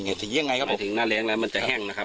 ยังไงสียังไงครับหมายถึงหน้าแรงแล้วมันจะแห้งนะครับ